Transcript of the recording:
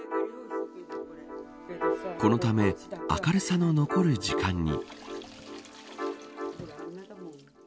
このため、明るさの残る時間に。